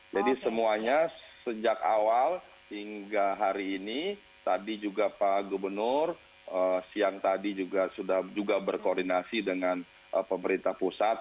jadi semuanya sejak awal hingga hari ini tadi juga pak gubernur siang tadi juga sudah berkoordinasi dengan pemerintah pusat